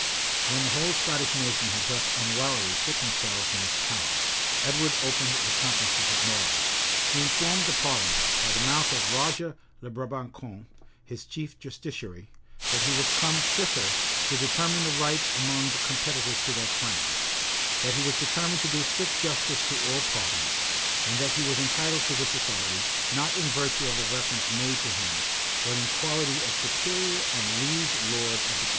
[] When the whole Scottish nation had thus unwarily put themselves in his power, Edward opened the conferences at Norham: he informed the parliament, by the mouth of Roger le Brabançon, his chief justiciary, that he was come thither to determine the right among the competitors to their crown; that he was determined to do strict justice to all parties; and that he was entitled to this authority, not in virtue of the reference made to him, but in quality of superior and liege lord of the kingdom.